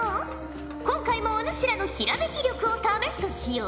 今回もお主らのひらめき力を試すとしよう。